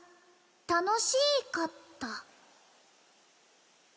「たのしいかった」「岬」